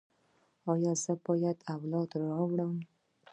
ایا زه باید اولاد راوړم؟